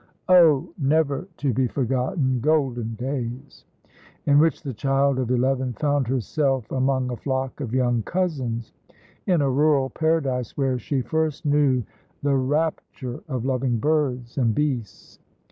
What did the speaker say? Oh, never to be forgotten golden days, in which the child of eleven found herself among a flock of young cousins in a rural paradise where she first knew the rapture of loving birds and beasts.